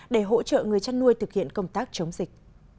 để hỗ trợ người chăn nuôi thực hiện công tác chống dịch